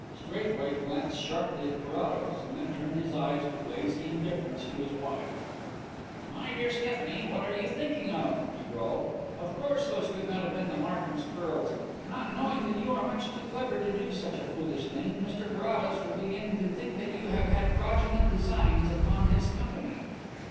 Straithwaite glanced sharply at Carrados and then turned his eyes with lazy indifference to his wife. "My dear Stephanie, what are you thinking of?" he drawled. "Of course those could not have been Markhams' pearls. Not knowing that you are much too clever to do such a foolish thing, Mr Carrados will begin to think that you have had fraudulent designs upon his company."